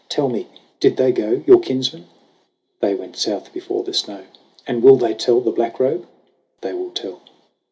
"Tell me, did they go Your kinsmen ?" "They went south before the snow." "And will they tell the Black Robe ?" "They will tell."